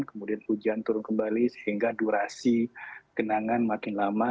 kemudian hujan turun kembali sehingga durasi kenangan makin lama